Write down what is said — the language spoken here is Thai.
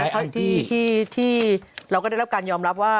เท่าที่เราก็ได้รับการยอมรับว่า